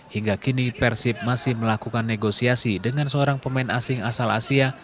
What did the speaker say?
hingga kini persib masih melakukan negosiasi dengan seorang pemain asing asal asia